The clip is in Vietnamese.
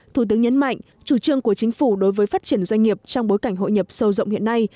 thủ tướng nhấn mạnh chủ trương của chính phủ đối với phát triển doanh nghiệp trong bối cảnh hội nhập sâu rộng hiện nay